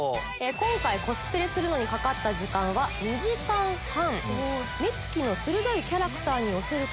今回コスプレにかかった時間は２時間半。